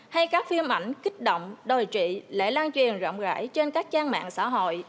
hay các phim ảnh kích động đòi trị lại lan truyền rộng rãi trên các trang mạng xã hội